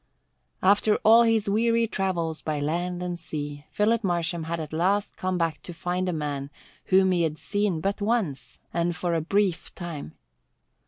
After all his weary travels by land and sea, Philip Marsham had at last come back to find a man whom he had seen but once and for a brief time.